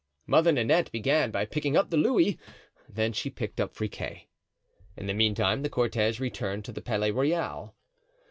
Mother Nanette began by picking up the louis; then she picked up Friquet. In the meantime the cortege returned to the Palais Royal.